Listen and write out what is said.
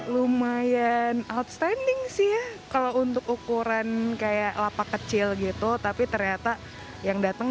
lumayan outstanding sih ya kalau untuk ukuran kayak lapak kecil gitu tapi ternyata yang datang